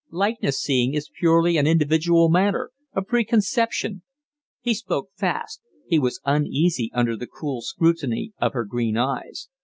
Likeness seeing is purely an individual matter a preconception." He spoke fast; he was uneasy under the cool scrutiny of her green eyes.